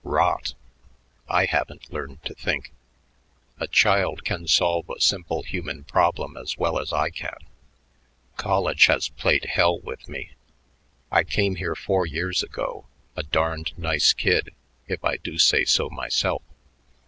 Rot! I haven't learned to think; a child can solve a simple human problem as well as I can. College has played hell with me. I came here four years ago a darned nice kid, if I do say so myself.